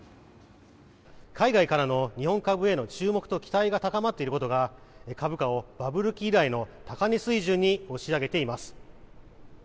海外からの日本株への注目と期待が高まっていることが株価をバブル期以来の高値水準に押し上げています。